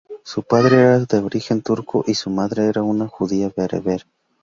Su padre era de origen turco, y su madre era una judía bereber.